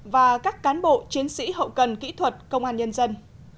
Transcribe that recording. và các cán bộ chiến sĩ hậu cần kỹ thuật công an nhân dân